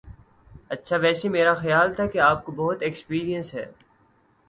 اچھا ویسے میرا خیال تھا کہ آپ کو بہت ایکسپیرینس ہے